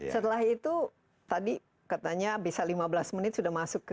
setelah itu tadi katanya bisa lima belas menit sudah masuk ke